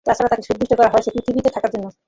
তাছাড়া তাঁকে সৃষ্টিই করা হয়েছে পৃথিবীতে থাকার জন্য।